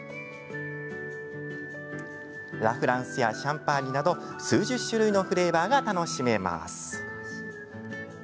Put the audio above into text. ラ・フランスやシャンパーニュなど数十種類のフレーバーが楽しめます。